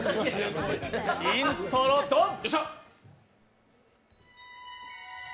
イントロ・ドン。